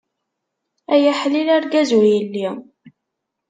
Ay aḥlili, argaz ur yelli.